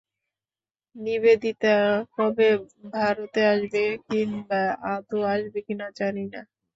নিবেদিতা কবে ভারতে আসবে, কিম্বা আদৌ আসবে কিনা, জানি না।